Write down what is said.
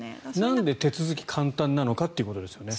なんで手続きが簡単なのかってことですよね。